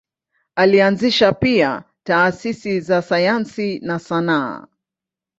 Alianzisha pia taasisi za sayansi na sanaa.